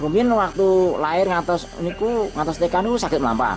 mungkin waktu lahir ngatas ikan itu sakit melampau